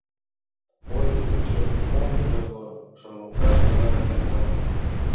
Ой, лучо ом ойло, шоналташ гына темлем...